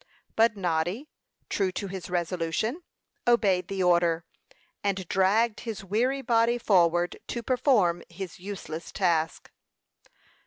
But Noddy, true to his resolution, obeyed the order, and dragged his weary body forward to perform his useless task.